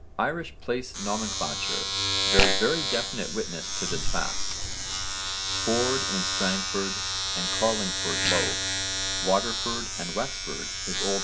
Irish place nomenclature bears very definite witness to this fact. Ford in Strangford and Carlingford Loughs, Waterford and Wexford is O.N.